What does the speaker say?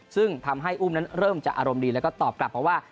ซึ่งทำให้อุ้มนั้นเริ่มจะอารมณ์ดีแล้วก็ตอบกลับมาว่า